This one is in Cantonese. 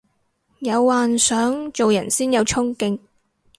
有幻想做人先有沖勁